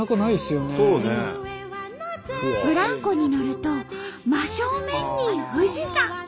ブランコに乗ると真正面に富士山。